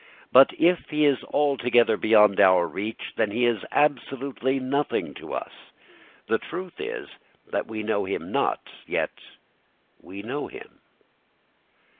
But if he is altogether beyond our reach, then he is absolutely nothing to us. The truth is that we know him not, yet we know him.